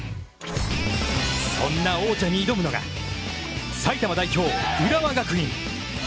そんな王者に挑むのが埼玉代表・浦和学院。